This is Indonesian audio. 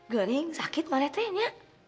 gening sakit mana tuh ya